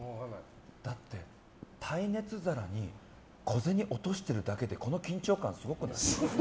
だって耐熱皿に小銭落としてるだけでこの緊張感、すごくない？